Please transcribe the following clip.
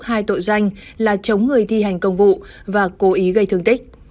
hai tội danh là chống người thi hành công vụ và cố ý gây thương tích